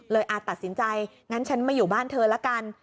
เลยอาจตัดสินใจฉันมาอยู่บ้านเธอละกัน